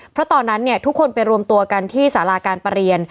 เพราะตอนนั้นทุกคนไปรวมตัวกันที่สาราการประเรียน